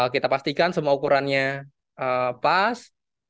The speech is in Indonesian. kita pastikan semua ukurannya pas